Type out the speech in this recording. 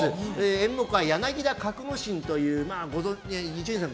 演目は「柳田格之進」という伊集院さん